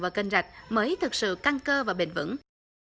và kênh rạch mới thực sự căng cơ và bền vững